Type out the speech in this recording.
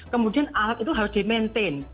kemudian alat itu harus di maintain